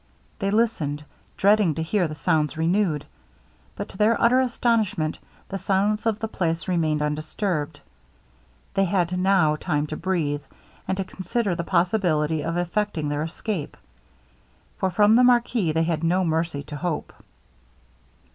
They listened, dreading to hear the sounds renewed; but, to their utter astonishment, the silence of the place remained undisturbed. They had now time to breathe, and to consider the possibility of effecting their escape; for from the marquis they had no mercy to hope.